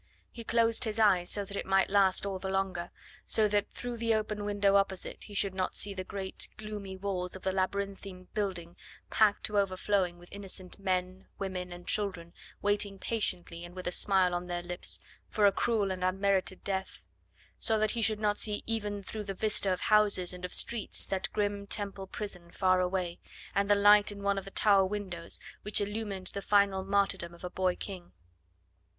He closed his eyes so that it might last all the longer, so that through the open window opposite he should not see the great gloomy walls of the labyrinthine building packed to overflowing with innocent men, women, and children waiting patiently and with a smile on their lips for a cruel and unmerited death; so that he should not see even through the vista of houses and of streets that grim Temple prison far away, and the light in one of the tower windows, which illumined the final martyrdom of a boy king.